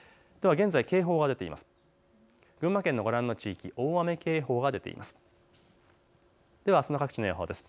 現在警報が出ています。